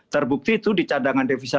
terbukti itu di cadangan devisa